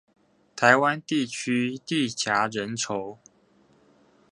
台灣地區地狹人稠